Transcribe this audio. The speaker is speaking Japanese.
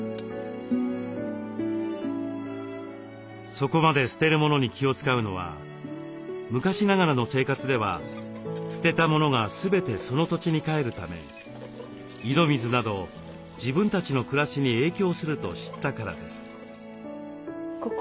そこまで捨てるものに気を遣うのは昔ながらの生活では捨てたものが全てその土地にかえるため井戸水など自分たちの暮らしに影響すると知ったからです。